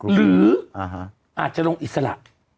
หรืออาจจะลงอิสระ